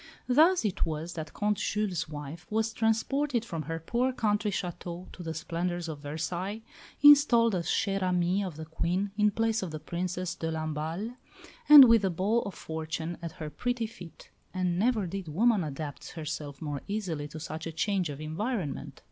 Thus it was that Comte Jules' wife was transported from her poor country château to the splendours of Versailles, installed as chère amie of the Queen in place of the Princesse de Lamballe, and with the ball of fortune at her pretty feet. And never did woman adapt herself more easily to such a change of environment.